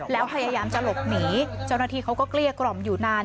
แล้วพยายามจะหลบหนีเจ้าหน้าที่เขาก็เกลี้ยกล่อมอยู่นาน